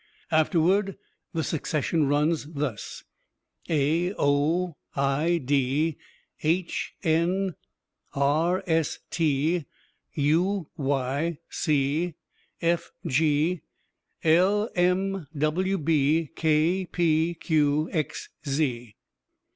Afterward, the succession runs thus: a o i d h n r s t u y c f g l m w b k p q x z.